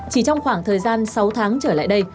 chỉ trong khoảng thời gian sáu tháng trở lại đây